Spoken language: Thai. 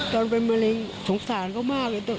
ตอนเป็นมะเร็งสงสารก็มาก